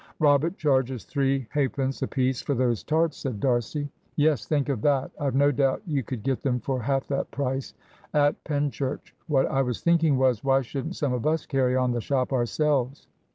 "Robert charges three halfpence a piece for those tarts," said D'Arcy. "Yes think of that. I've no doubt you could get them for half the price at Penchurch. What I was thinking was, why shouldn't some of us carry on the shop ourselves?"